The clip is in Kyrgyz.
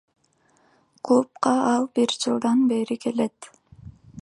Клубга ал бир жылдан бери келет.